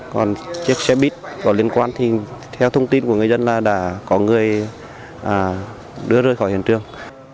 còn chiếc xe buýt có liên quan thì theo thông tin của người dân là đã có người đưa rời khỏi hiện trường